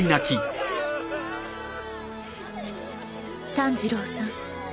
「炭治郎さん。